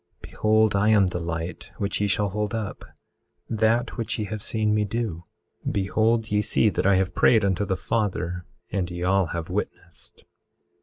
Behold I am the light which ye shall hold up—that which ye have seen me do. Behold ye see that I have prayed unto the Father, and ye all have witnessed.